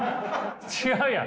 違うやん！